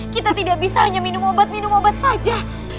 kita tidak bisa hanya minum obat minum obat saja